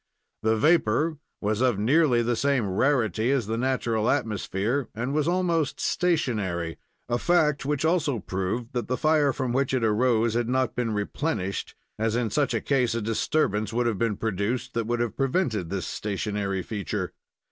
The vapor was of nearly the same rarity as the natural atmosphere, and was almost stationary a fact which also proved that the fire from which it arose had not been replenished, as, in such a case, a disturbance would have been produced that would have prevented this stationary feature.